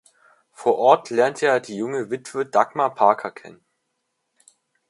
Vor Ort lernt er die junge Witwe Dagmar Parker kennen.